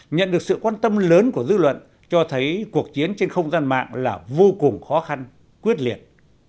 nhận được sự quan tâm lớn của dư luận cho thấy cuộc chiến trên không gian mạng là vô cùng khó khăn quyết liệt